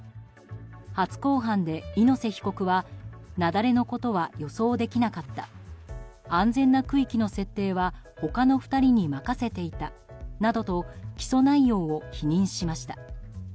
初公判で猪瀬被告は雪崩のことは予想できなかった安全な区域の設定は他の２人に任せていたなどと起訴内容を否認しました。